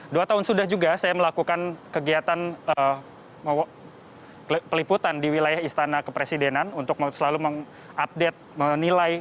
dua tahun sudah juga saya melakukan kegiatan peliputan di wilayah istana kepresidenan untuk selalu mengupdate menilai